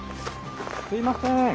すいません！